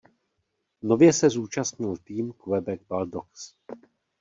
Nově se zúčastnil tým Quebec Bulldogs.